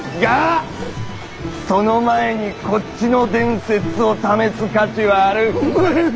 その前にこっちの伝説を試す価値はあるッ。